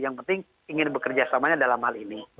yang penting ingin bekerja samanya dalam hal ini